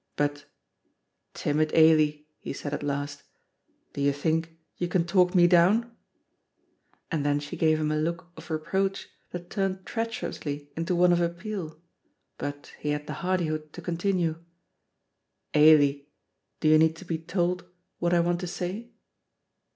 But, "Timid Ailie," he said at last, "do you think you can talk me down?" and then she gave him a look of reproach that turned treacherously into one of appeal, but he had the hardihood to continue; "Ailie, do you need to be told what I want to say?"